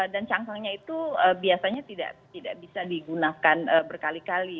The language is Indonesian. dan cangkangnya itu biasanya tidak bisa digunakan berkali kali